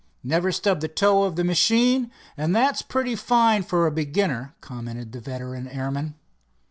"Never stubbed the toe of the machine, and that's pretty fine for a beginner," commented the veteran airman.